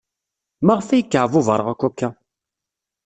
Maɣef ay kkeɛbubreɣ akk akka?